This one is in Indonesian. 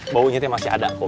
baunya itu masih ada kum